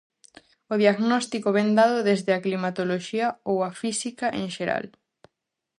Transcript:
O diagnóstico vén dado desde a climatoloxía ou a física en xeral.